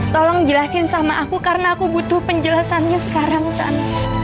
tolong jelasin sama aku karena aku butuh penjelasannya sekarang sana